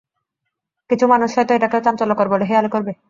কিছু মানুষ হয়তো এটাকেও চাঞ্চল্যকর বলে হেঁয়ালি করবে!